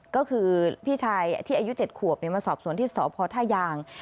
ก็คือพี่ชายที่อายุ๗ขวบมาสอบสวนที่สพท่ายาง